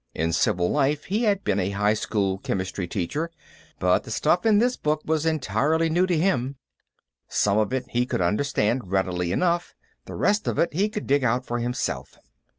In civil life, he had been a high school chemistry teacher, but the stuff in this book was utterly new to him. Some of it he could understand readily enough; the rest of it he could dig out for himself.